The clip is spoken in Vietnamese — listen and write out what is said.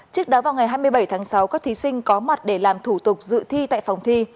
trước đó vào ngày hai mươi bảy tháng sáu các thí sinh có mặt để làm thủ tục dự thi tại phòng thi